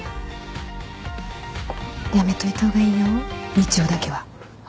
やめといた方がいいよみちおだけは。